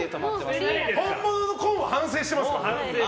本物の昆は反省していますから。